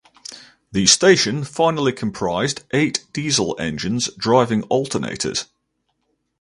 The station finally comprised eight diesel engines driving alternators.